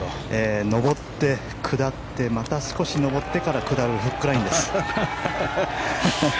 上って下ってまた少し上ってから下るフックラインです。